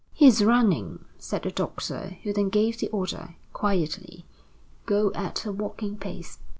"He is running," said the doctor, who then gave the order: "Quietly! Go at a walking pace."